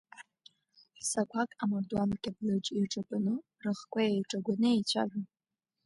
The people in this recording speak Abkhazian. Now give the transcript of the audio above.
Ҳәсақәак амардуан кьаблыџь иаҿатәаны рыхқәа еиҿагәаны еицәажәон.